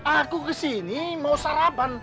aku kesini mau sarapan